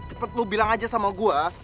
cepet lu bilang aja sama gue